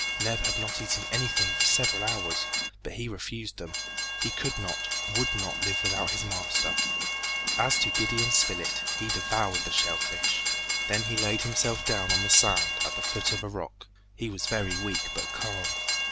Neb had not eaten anything for several hours, but he refused them. He could not, would not live without his master. As to Gideon Spilett, he devoured the shell fish, then he laid himself down on the sand, at the foot of a rock. He was very weak, but calm.